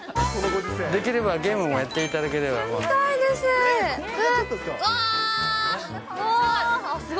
できればゲームもやっていたやりたいです。